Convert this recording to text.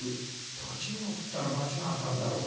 「断ち物食ったらばちが当たるだろう。